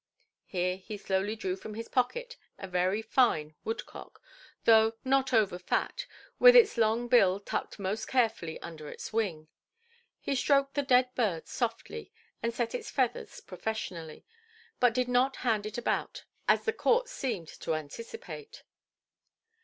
Here he slowly drew from his pocket a very fine woodcock, though not over fat, with its long bill tucked most carefully under its wing. He stroked the dead bird softly, and set its feathers professionally, but did not hand it about, as the court seemed to anticipate.